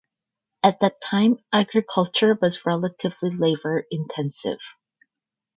At that time agriculture was relatively labour-intensive.